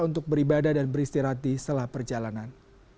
untuk beribadah dan beristirahat di setelah perjalanan